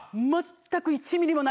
全く。